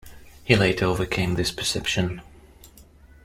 He later overcame this perception.